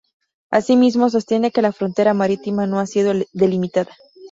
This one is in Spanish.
Asimismo, sostiene que la frontera marítima no ha sido delimitada.